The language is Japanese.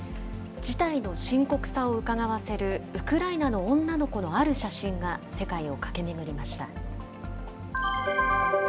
事態の深刻さをうかがわせるウクライナの女の子のある写真が、世界を駆け巡りました。